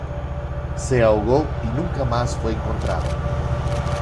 Se ahogó y nunca más fue encontrado.